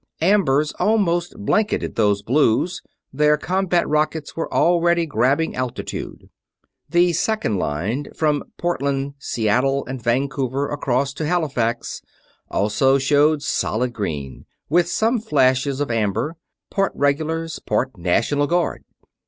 Ambers almost blanketed those blues; their combat rockets were already grabbing altitude. The Second Line, from Portland, Seattle, and Vancouver across to Halifax, also showed solid green, with some flashes of amber. Part Regulars; part National Guard.